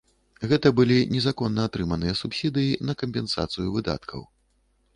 Гэта былі незаконна атрыманыя субсідыі на кампенсацыю выдаткаў.